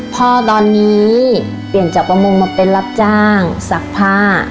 พ่อตอนนี้เปลี่ยนจากประมงมาเป็นรับจ้างซักผ้า